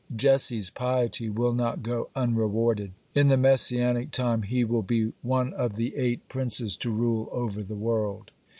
Jesse's piety will not go unrewarded. In the Messianic time he will be one of the eight princes to rule over the world.